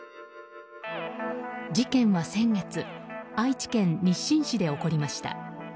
事件は先月愛知県日進市で起こりました。